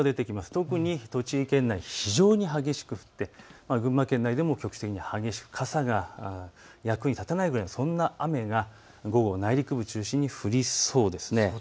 特に栃木県内、非常に激しく降って群馬県内でも局地的に激しく、傘が役に立たないぐらい、そんな雨が午後、内陸部を中心に降りそうです。